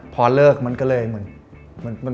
พอเลิกมันก็เลยเหมือน